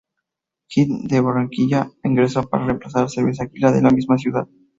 Hit de Barranquilla ingresó para reemplazar a Cerveza Águila de la misma ciudad.